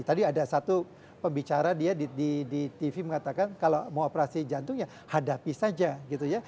tadi ada satu pembicara dia di tv mengatakan kalau mau operasi jantung ya hadapi saja gitu ya